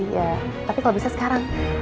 iya tapi kalau bisa sekarang